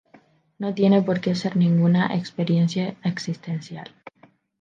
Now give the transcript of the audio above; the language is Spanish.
No tiene porque ser ninguna experiencia existencial".